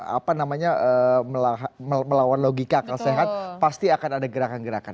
apa namanya melawan logika akal sehat pasti akan ada gerakan gerakan